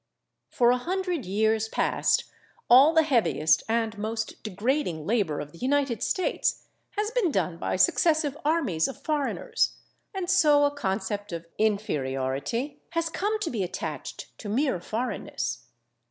For a hundred years past all the heaviest and most degrading labor of the United States has been done by successive armies of foreigners, and so a concept of inferiority has come to be attached to mere foreignness.